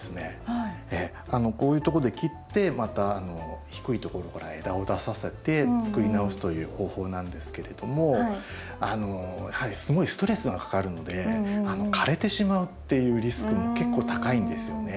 こういうとこで切ってまた低いところから枝を出させて作り直すという方法なんですけれどもあのやはりすごいストレスがかかるので枯れてしまうっていうリスクも結構高いんですよね。